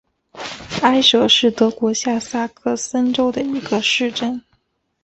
埃舍是德国下萨克森州的一个市镇。